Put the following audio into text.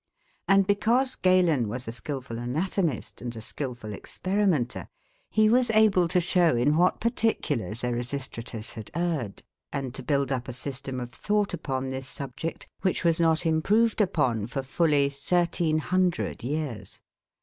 And because Galen was a skilful anatomist, and a skilful experimenter, he was able to show in what particulars Erasistratus had erred, and to build up a system of thought upon this subject which was not improved upon for fully 1,300 years.